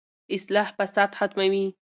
اصلاح فساد ختموي.